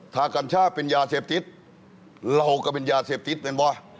ถ้ากัญชาเป็นยาเสพติดเราก็เป็นยาเสพติดเป็นบ่อ